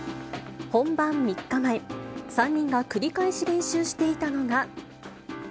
本番３日前、３人が繰り返し練習していたのが。